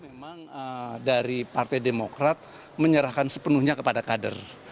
memang dari partai demokrat menyerahkan sepenuhnya kepada kader